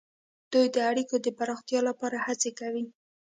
دوی د اړیکو د پراختیا لپاره هڅې کوي